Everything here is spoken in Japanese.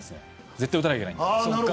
絶対に打たないといけないんで。